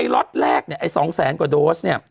ล็อตแรกเนี่ยไอ้๒แสนกว่าโดสเนี่ย